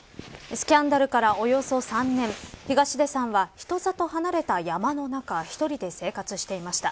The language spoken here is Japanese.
スキャンダルからおよそ３年東出さんは人里離れた山の中１人で生活していました。